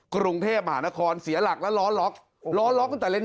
กรุงเทพฯหานครเสียหลักแล้วล้อล็อก